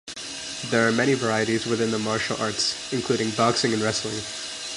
There are many varieties within the martial arts, including boxing and wrestling.